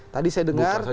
tadi saya dengar